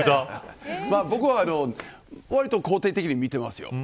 僕は割と肯定的に見ています。